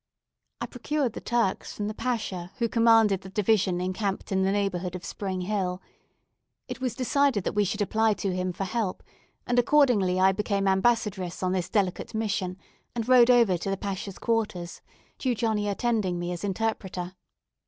I procured the Turks from the Pacha who commanded the division encamped in the neighbourhood of Spring Hill. It was decided that we should apply to him for help, and accordingly I became ambassadress on this delicate mission, and rode over to the Pacha's quarters, Jew Johnny attending me as interpreter.